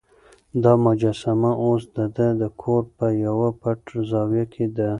دا مجسمه اوس د ده د کور په یوه پټه زاویه کې ده.